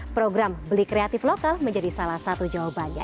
program beli kreatif lokal menjadi salah satu jawabannya